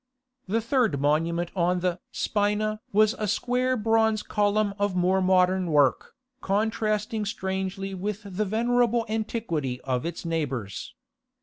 The third monument on the "spina" was a square bronze column of more modern work, contrasting strangely with the venerable antiquity of its neighbours.